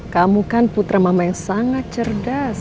kamu kan putra mama yang sangat cerdas